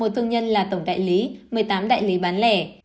một thương nhân là tổng đại lý một mươi tám đại lý bán lẻ